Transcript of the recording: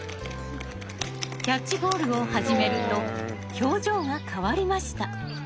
キャッチボールを始めると表情が変わりました。